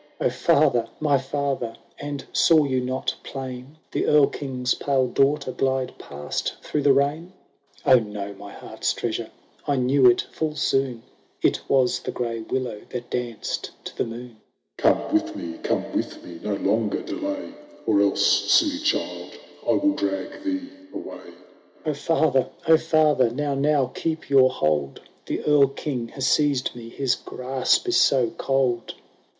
—" O father ! my father ! and saw you not plain The Erl King's pale daughter glide past through the rain?" —" O no, my heart's treasure ! I knew it full soon, It was the grey willow that danced to the moon." — The Phantom. " Come with me, come with me, no longer delay ! Or else, silly child, I will drag thee away."— " O father ! O father ! now, now, keep your hold ! The Erl King has seized me — his grasp is so cold."